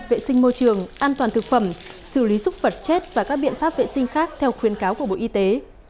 vệ sinh môi trường an toàn thực phẩm xử lý xúc vật chết và các biện pháp vệ sinh khác theo khuyến cáo của bộ y tế